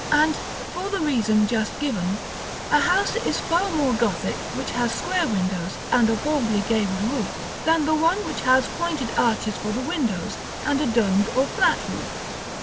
And, for the reason just given, a house is far more Gothic which has square windows, and a boldly gabled roof, than the one which has pointed arches for the windows, and a domed or flat roof.